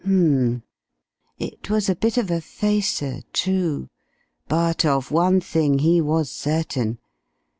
H'm. It was a bit of a facer, true; but of one thing he was certain.